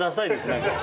何か。